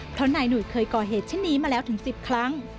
เพราะนายหนุ่ยเคยก่อเหตุเช่นนี้มาแล้วถึง๑๐ครั้ง